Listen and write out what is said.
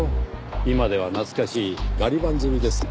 今では懐かしいガリ版刷りです。